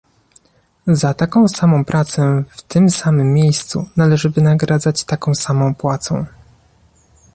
Za taką samą pracę w tym samym miejscu należy wynagradzać taką samą płacą